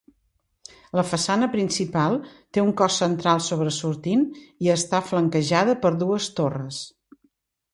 La façana principal té un cos central sobresortint i està flanquejada per dues torres.